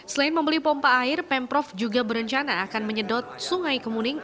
selain membeli pompa air pemprov juga berencana akan menyedot sungai kemuning